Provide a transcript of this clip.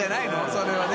それはね。